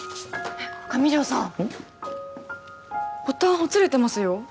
ボタンほつれてますよ。